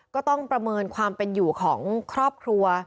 ก็ต้องประเมินความเป็นอยู่ของครอบครัว